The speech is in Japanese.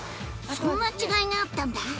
そんな違いがあったんだ！